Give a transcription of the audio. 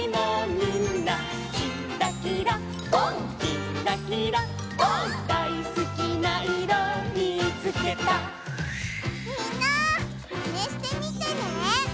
みんなマネしてみてね！